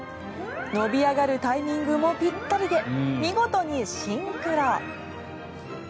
伸び上がるタイミングもピッタリで見事にシンクロ。